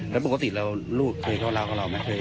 แล้วปกติลูกเคยก้าวร้าวของเราไหม